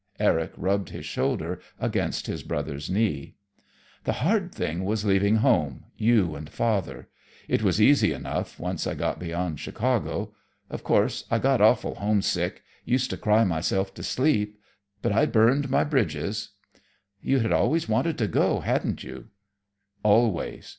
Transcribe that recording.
Eric rubbed his shoulder against his brother's knee. "The hard thing was leaving home you and father. It was easy enough, once I got beyond Chicago. Of course I got awful homesick; used to cry myself to sleep. But I'd burned my bridges." "You had always wanted to go, hadn't you?" "Always.